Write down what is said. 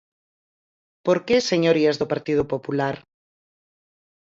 ¿Por que, señorías do Partido Popular?